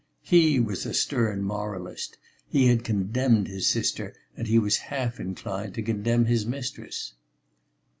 He was a stern moralist; he had condemned his sister and he was half inclined to condemn his mistress.